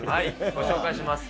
ご紹介します。